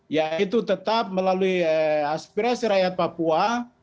yaitu tetap melalui aspirasi rakyat papua